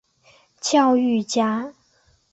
教育家。